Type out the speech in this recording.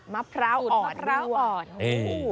มะพร้าวอ่อน